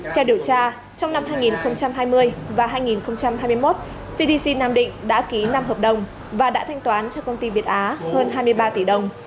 theo điều tra trong năm hai nghìn hai mươi và hai nghìn hai mươi một cdc nam định đã ký năm hợp đồng và đã thanh toán cho công ty việt á hơn hai mươi ba tỷ đồng